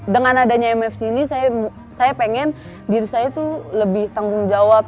dengan adanya mfc ini saya pengen diri saya itu lebih tanggung jawab